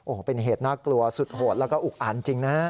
โอ้โหเป็นเหตุน่ากลัวสุดโหดแล้วก็อุกอ่านจริงนะ